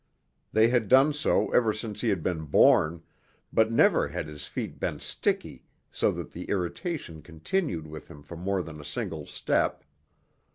They had done so ever since he had been born, but never had his feet been sticky so that the irritation continued with him for more than a single step.